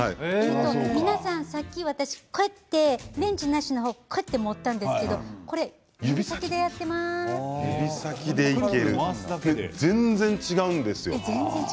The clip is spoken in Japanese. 皆さんさっき、私こうやってレンジなしの方はこうやって持ったんですけど全然違うんですよ。